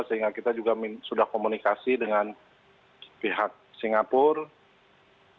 sehingga kita juga sudah komunikasi dengan pihak singapura